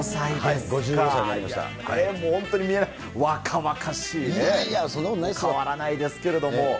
いやいや、変わらないですけれども。